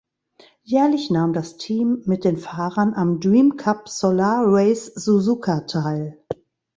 Jährlich nahm das Team mit den Fahrern am Dream Cup Solar Race-Suzuka teil.